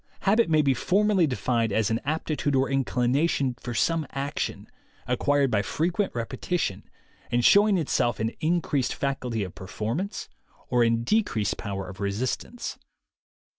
Habit may be formally defined as an aptitude or inclination for some action, acquired by frequent repetition, and showing itself in increased facility of performance or in decreased power of resistance.